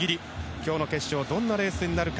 今日の決勝どんなレースになるか。